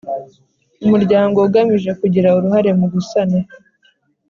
Umuryango ugamije kugira uruhare mu gusana